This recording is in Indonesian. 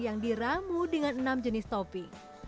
yang diramu dengan enam jenis topi